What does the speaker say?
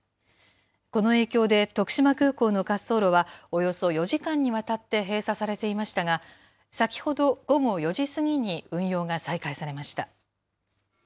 この影響で、徳島空港の滑走路は、およそ４時間にわたって閉鎖されていましたが、先ほど午後４時過ぎに運用が再開されました。